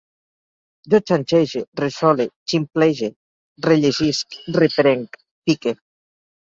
Jo xanxege, ressole, ximplege, rellegisc, reprenc, pique